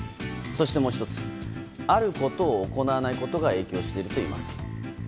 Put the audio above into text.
そして、もう１つあることを行わないことが影響しているといいます。